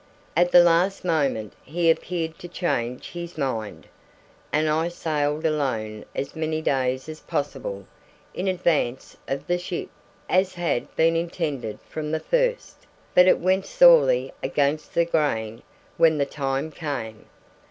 At the last moment he appeared to change his mind, and I sailed alone as many days as possible in advance of the ship, as had been intended from the first; but it went sorely against the grain when the time came.